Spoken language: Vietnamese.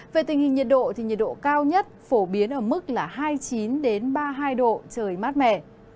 về tình hình nhiệt độ thì nhiệt độ cao nhất phổ biến ở mức là hai mươi chín ba mươi hai độ trời mát mẻ